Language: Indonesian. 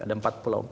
ada empat pulau